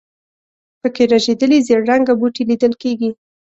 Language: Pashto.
په کې رژېدلي زېړ رنګه بوټي لیدل کېږي.